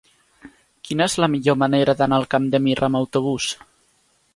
Quina és la millor manera d'anar al Camp de Mirra amb autobús?